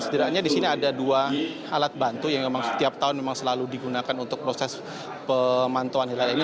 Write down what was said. setidaknya di sini ada dua alat bantu yang memang setiap tahun memang selalu digunakan untuk proses pemantauan hilal ini